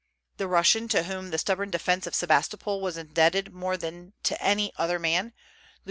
The Russian to whom the stubborn defence of Sebastopol was indebted more than to any other man, Lieut.